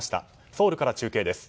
ソウルから中継です。